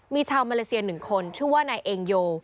มีชาวมาเลเซีย๑คนชื่อว่านายเอ็งโย